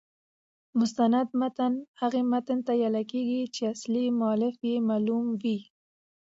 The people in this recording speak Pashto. مستند متن هغه متن ته ویل کیږي، چي اصلي مؤلف يې معلوم يي.